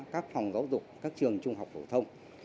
các phòng giáo dục các trường trung học phổ thông